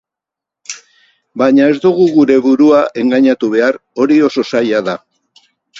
Baina ez dugu gure burua engainatu behar, hori oso zaila da.